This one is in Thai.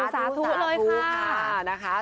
สาธุเลยค่ะ